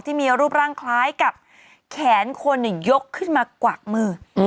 ที่มีรูปร่างคล้ายกับแขนคนยกขึ้นมากวักมือ